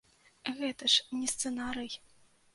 Гэта ж не сцэнарый.